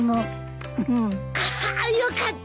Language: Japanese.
あーよかった！